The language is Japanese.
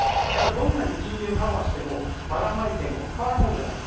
どんなに金融緩和してもばらまいても変わるものではない。